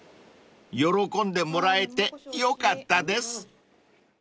［喜んでもらえてよかったです］